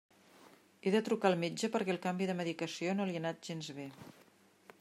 He de trucar al metge perquè el canvi de medicació no li ha anat gens bé.